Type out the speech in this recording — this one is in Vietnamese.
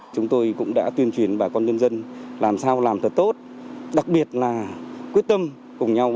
chúng tôi cũng đã tuyên truyền bà con nhân dân làm sao làm thật tốt đặc biệt là quyết tâm cùng nhau